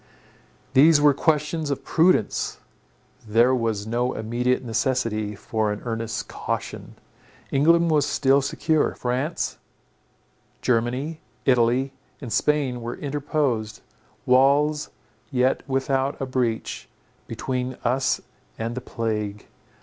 These were questions of prudence; there was no immediate necessity for an earnest caution. England was still secure. France, Germany, Italy and Spain, were interposed, walls yet without a breach, between us and the plague.